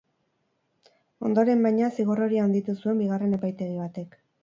Ondoren, baina, zigor hori handitu zuen bigarren epaitegi batek.